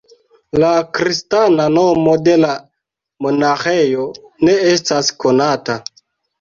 La kristana nomo de la monaĥejo ne estas konata.